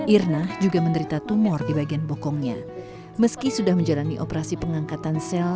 irna juga menderita tumor di bagian bokongnya meski sudah menjalani operasi pengangkatan sel